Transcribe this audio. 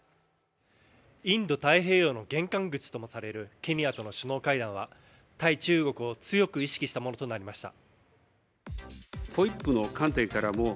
インド太平洋の玄関口ともされるケニアとの首脳会談は対中国を強く意識したものとなりました。